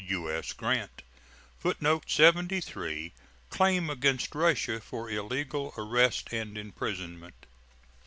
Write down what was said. U.S. GRANT. [Footnote 73: Claim against Russia for illegal arrest and imprisonment.